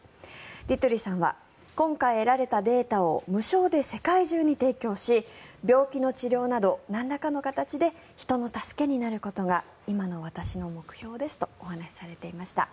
ディトゥリさんは今回得られたデータを無償で世界中に提供し病気の治療など、なんらかの形で人の助けになることが今の私の目標ですとお話しされていました。